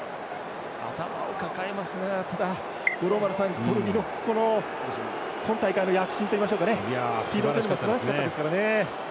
頭を抱えますがコルビの今大会の躍進といいますか、スピードもすばらしかったですからね。